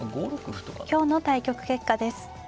今日の対局結果です。